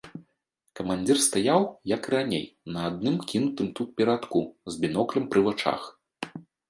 Камандзір стаяў, як і раней, на адным кінутым тут перадку, з біноклем пры вачах.